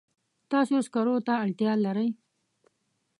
تاسو سکرو ته اړتیا لرئ.